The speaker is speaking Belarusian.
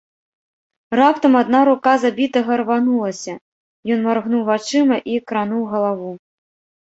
Раптам адна рука забітага рванулася, ён маргнуў вачыма і крануў галаву.